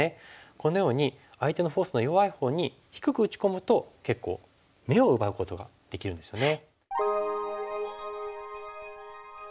このように相手のフォースの弱いほうに低く打ち込むと結構眼を奪うことができるんですよね。